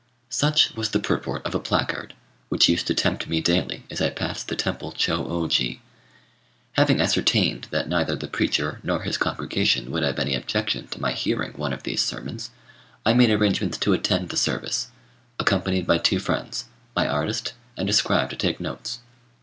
Such was the purport of a placard, which used to tempt me daily, as I passed the temple Chô ô ji. Having ascertained that neither the preacher nor his congregation would have any objection to my hearing one of these sermons, I made arrangements to attend the service, accompanied by two friends, my artist, and a scribe to take notes.